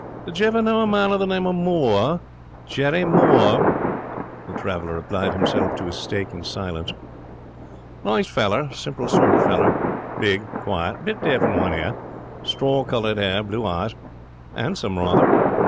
'Did you ever know a man of the name of Moore? Jerry Moore?' The traveller applied himself to his steak in silence. 'Nice feller. Simple sort of feller. Big. Quiet. Bit deaf in one ear. Straw coloured hair. Blue eyes. 'Andsome, rather.